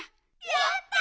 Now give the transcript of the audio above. やった！